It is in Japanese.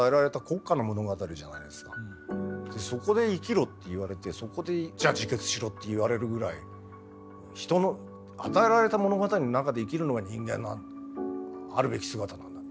そこで生きろって言われてそこでじゃあ自決しろって言われるぐらい人の与えられた物語の中で生きるのが人間のあるべき姿なんだ。